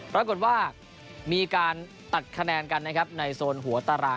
รับกรณ์ว่ามีการตัดคะแนนกันในโซนหัวตาราง